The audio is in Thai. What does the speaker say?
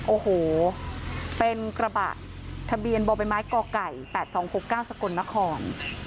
โอ้โหเป็นกระบะทะเบียนบ่อใบไม้กไก่๘๒๖๙สกลนคร